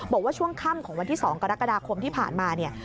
บอกว่าช่วงค่ำของวันที่๒กรกฎาคมที่ผ่านมาเนี่ย